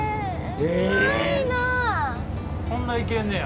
こんな行けんねや。